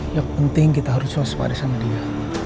yang penting kita harus waspada sama dia